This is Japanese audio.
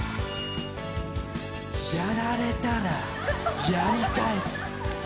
やられたらやり返す。